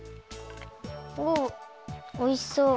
おっおいしそう。